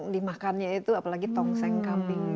dimakannya itu apalagi tongseng kambing